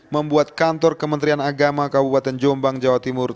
membuat kantor kementerian agama kabupaten jombang jawa timur